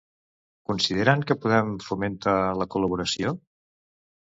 Consideren que Podem fomenta la col·laboració?